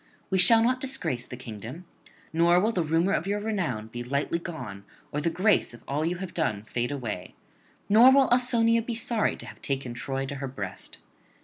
We shall not disgrace the kingdom; nor will the rumour of your renown be lightly gone or the grace of all you have done fade away; nor will Ausonia be sorry to have taken Troy to her breast.